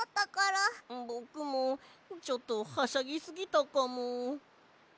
ぼくもちょっとはしゃぎすぎたかも。